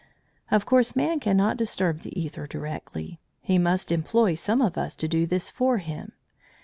Of course man cannot disturb the æther directly; he must employ some of us to do this for him.